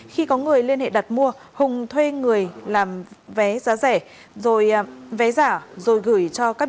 khi có người liên hệ đặt mua hùng thuê người làm vé giá rẻ rồi vé giả rồi gửi